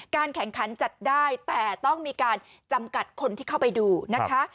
แข่งขันจัดได้แต่ต้องมีการจำกัดคนที่เข้าไปดูนะคะ